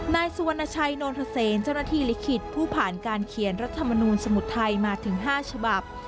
นายสุวรรณชัยนนทเซนเจ้าหน้าที่ลิขิตผู้ผ่านการเขียนรัฐมนูลสมุทรไทยมาถึง๕ฉบับ